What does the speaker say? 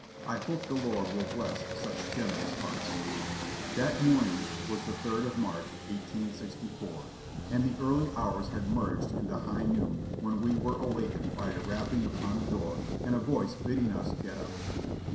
I hope the Lord will bless such generous hearts." That morning was the 3rd of March, 1864, and the early hours 504 JOHNNY REB and BILLY YANK had merged into high noon when we were awakened by a rap ping upon the door and a voice bidding us get up.